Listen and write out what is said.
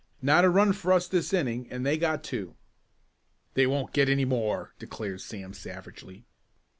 Not a run for us this inning and they got two." "They won't get any more!" declared Sam savagely.